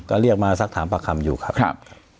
ก็เรียกมาสักถามประคำอยู่ครับ